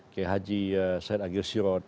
kayak haji said agil sirot